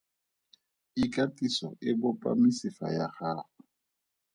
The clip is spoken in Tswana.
Ikatiso e bopa mesifa ya gago.